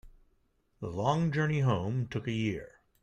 The long journey home took a year.